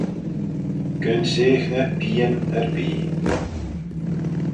Gyn seaghney pian erbee.